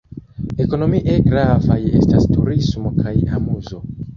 Ekonomie gravaj estas turismo kaj amuzo.